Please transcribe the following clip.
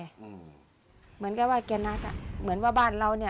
เหมือนกับว่าแกนัดอ่ะเหมือนว่าบ้านเราเนี้ย